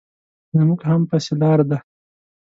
زموږ هم پسې لار ده.